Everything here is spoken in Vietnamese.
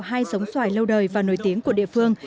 hai giống xoài lâu đời và nổi tiếng của địa phương